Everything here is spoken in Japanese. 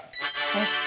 よし。